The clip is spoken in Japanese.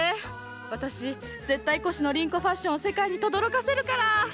私絶対コシノリンコファッションを世界にとどろかせるから！